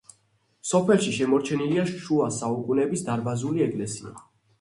სოფელში შემორჩენილია შუა საუკუნეების დარბაზული ეკლესია.